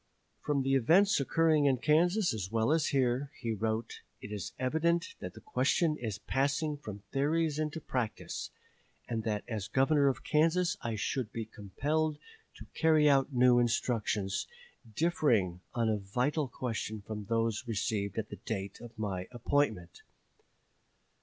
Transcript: "From the events occurring in Kansas as well as here," he wrote, "it is evident that the question is passing from theories into practice; and that as governor of Kansas I should be compelled to carry out new instructions, differing on a vital question from those received at the date of my appointment.